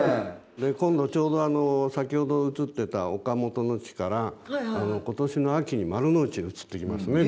今度ちょうど先ほど映ってた岡本の地から今年の秋に丸の内に移ってきますね